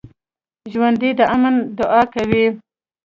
ژوندي د امن دعا کوي